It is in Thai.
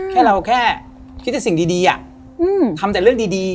แค่เราแค่คิดแต่สิ่งดีทำแต่เรื่องดี